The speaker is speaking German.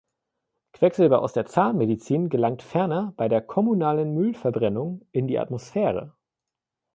Quecksilber aus der Zahnmedizin gelangt ferner bei der kommunalen Müllverbrennung in die Atmosphäre.